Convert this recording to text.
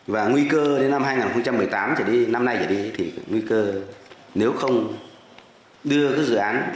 và nguy cơ đến năm hai nghìn một mươi tám năm nay thì nguy cơ nếu không đưa dự án